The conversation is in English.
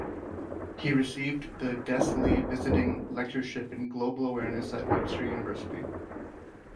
He received the Des Lee Visiting Lectureship in Global Awareness at Webster University.